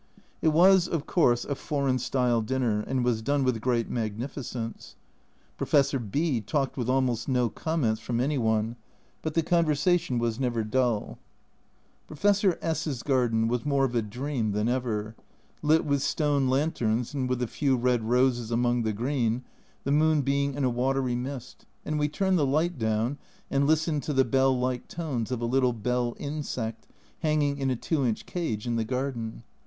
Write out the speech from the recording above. It was, of course, a " foreign style" dinner, and was done with great magnificence. Professor B talked with almost no comments from any one, but the conversa tion was never dull. 184 A Journal from Japan Professor S V garden was more of a dream than ever, lit with stone lanterns and with a few red roses among the green, the moon being in a watery mist, and we turned the light down, and listened to the bell like tones of a little " Bell insect," hanging in a 2 inch cage in the garden.